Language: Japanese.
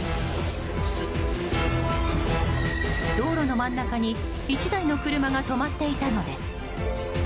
道路の真ん中に、１台の車が止まっていたのです。